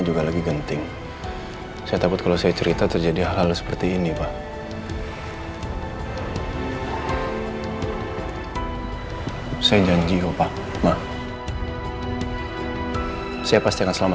buat apa jess